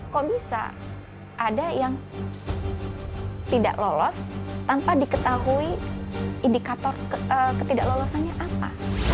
kok bisa ada yang tidak lolos tanpa diketahui indikator ketidaklolosannya apa